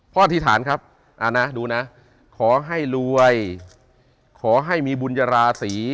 อธิษฐานครับดูนะขอให้รวยขอให้มีบุญญาราศี